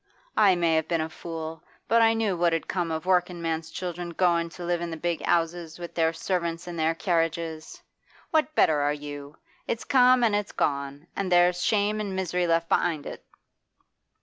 I may have been a fool, but I knew what 'ud come of a workin' man's children goin' to live in big 'ouses, with their servants an' their carriages. What better are you? It's come an' it's gone, an' there's shame an' misery left be'ind it!